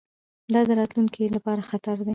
دا د راتلونکي لپاره خطر دی.